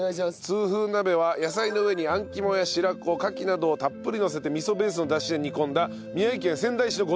痛風鍋は野菜の上にあん肝や白子カキなどをたっぷりのせて味噌ベースのダシで煮込んだ宮城県仙台市のご当地鍋。